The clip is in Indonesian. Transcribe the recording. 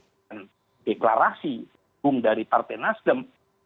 berseparasi hubung dari partai nasdem